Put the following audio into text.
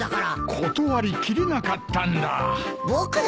断り切れなかったんだ。